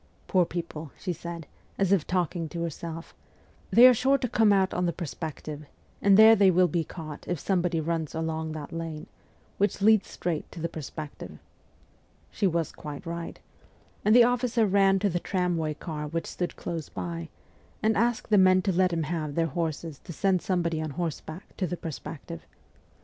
Poor people/ she said, as if talking to herself, ' they are sure to come out on, the Perspective, and there they will be caught if somebody runs along that lane, which leads straight to the Perspective.' She was quite right, and the officer ran to the tramway car which stood close by, and asked the men to let him have their THE ESCAPE 177 horses to send somebody on horseback to the Per spective.